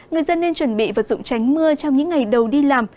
người dân nên chuẩn bị vật dụng tránh mưa trong những ngày đầu đi làm